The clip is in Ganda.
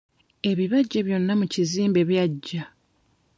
Ebibajje byonna mu kizimbe byaggya.